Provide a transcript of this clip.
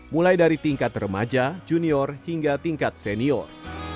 mulai dari tingkat remaja junior hingga tingkat senior